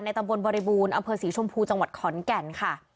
ตำบลบริบูรณ์อำเภอศรีชมพูจังหวัดขอนแก่นค่ะ